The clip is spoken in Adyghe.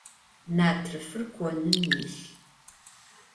Natrıfır konım yilh.